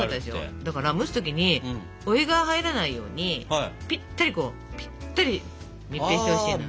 だから蒸す時にお湯が入らないようにピッタリこうピッタリ密閉してほしいの。